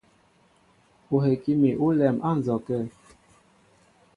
Ó heki mi ólɛm á nzɔkə̂.